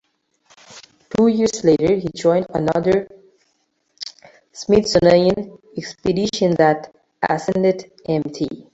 Two years later he joined another Smithsonian expedition that ascended Mt.